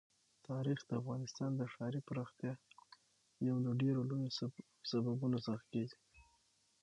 تاریخ د افغانستان د ښاري پراختیا یو له ډېرو لویو سببونو څخه کېږي.